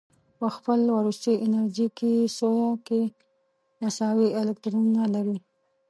په خپل وروستي انرژیکي سویه کې مساوي الکترونونه لري.